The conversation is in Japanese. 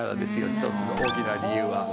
一つの大きな理由は。